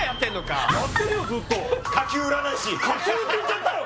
下級って言っちゃったよ